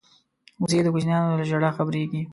وزې د کوچنیانو له ژړا خبریږي